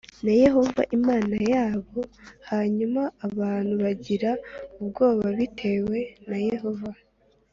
na Yehova Imana yabo Hanyuma abantu bagira ubwoba bitewe na Yehova